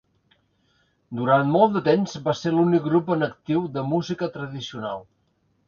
Durant molt de temps va ser l'únic grup en actiu de música tradicional.